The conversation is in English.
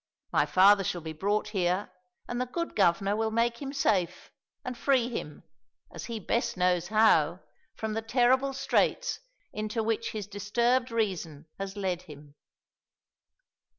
My father shall be brought here and the good Governor will make him safe, and free him, as he best knows how, from the terrible straits into which his disturbed reason has led him."